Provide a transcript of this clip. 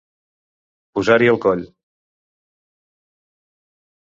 Posar-hi el coll.